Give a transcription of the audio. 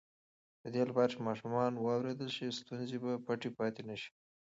د دې لپاره چې ماشومان واورېدل شي، ستونزې به پټې پاتې نه شي.